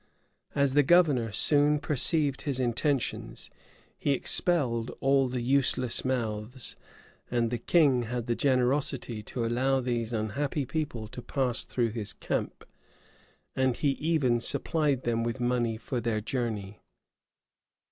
As the governor soon perceived his intentions, he expelled all the useless mouths; and the king had the generosity to allow these unhappy people to pass through his camp, and he even supplied them with money for their journey.